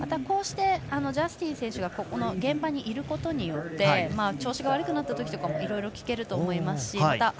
ジャスティン選手が現場にいることによって調子が悪くなったときもいろいろ聞けると思いますしまた